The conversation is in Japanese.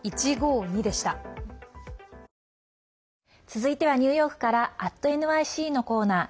続いては、ニューヨークから「＠ｎｙｃ」のコーナー。